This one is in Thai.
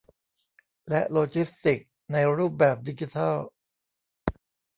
และโลจิสติกส์ในรูปแบบดิจิทัล